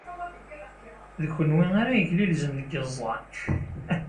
D kenwi ara yeglilzen deg yiẓẓan.